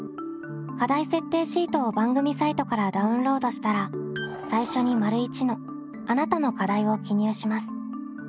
課題設定シートを番組サイトからダウンロードしたら最初に①の「あなたの課題」を記入します。